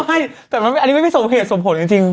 ให้แต่อันนี้ไม่สมเหตุสมผลจริง